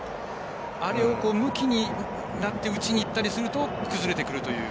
あれをむきになって打ちにいったりすると崩れてくるという。